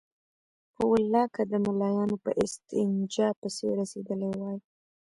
په والله که د ملايانو په استنجا پسې رسېدلي وای.